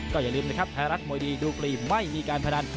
อย่าลืมนะครับไทยรัฐมวยดีดูกรีไม่มีการพนัน